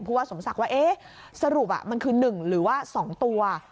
ผู้ว่าสมศักดิ์ว่าเอ๊ะสรุปอ่ะมันคือหนึ่งหรือว่าสองตัว